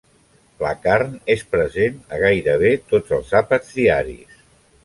La carn és present a gairebé tots els àpats diaris.